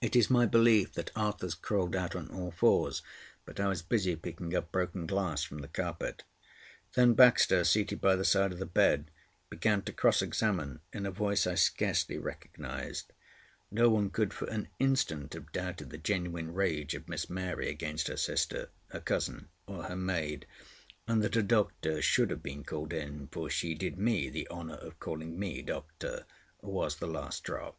It is my belief that Arthurs crawled out on all fours, but I was busy picking up broken glass from the carpet. Then Baxter, seated by the side of the bed, began to cross examine in a voice I scarcely recognised. No one could for an instant have doubted the genuine rage of Miss Mary against her sister, her cousin, or her maid; and that a doctor should have been called in—for she did me the honour of calling me doctor—was the last drop.